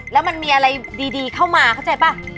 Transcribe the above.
แล้วมันมีอะไรดีเข้ามาเข้าใจป่ะ